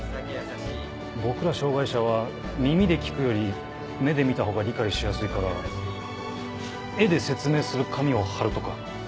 僕ら障がい者は耳で聞くより目で見た方が理解しやすいから絵で説明する紙を張るとか。